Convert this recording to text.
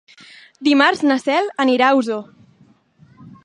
Dimarts na Cel anirà a Osor.